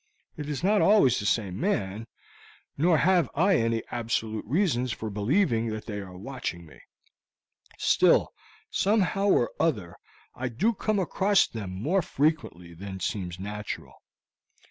It is not always the same man, nor have I any absolute reasons for believing that they are watching me; still, somehow or other, I do come across them more frequently than seems natural."